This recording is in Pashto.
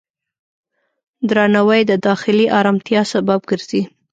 درناوی د داخلي آرامتیا سبب ګرځي.